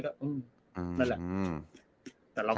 นั่นแหละ